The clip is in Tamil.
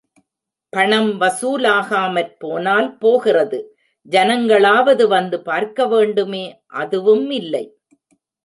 பணம் வசூலாகாமற் போனால் போகிறது, ஜனங்களாவது வந்து பார்க்கவேண்டுமே, அதுவும் இல்லை.